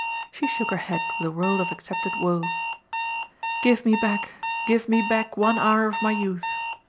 She shook her head with a world of accepted woe. "'Give me back, give me back one hour of my youth'!